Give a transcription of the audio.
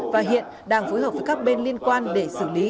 và hiện đang phối hợp với các bên liên quan để xử lý